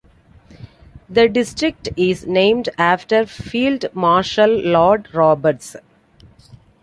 The district is named after Field Marshal Lord Roberts.